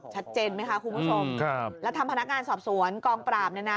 ชัดเจนไหมคะคุณผู้ชมครับแล้วทำพนักงานสอบสวนกองปราบเนี่ยนะ